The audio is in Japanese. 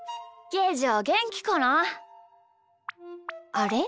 あれ？